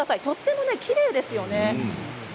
とてもきれいですよね。